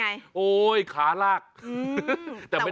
แก้ปัญหาผมร่วงล้านบาท